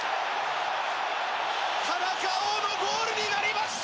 田中碧のゴールになりました！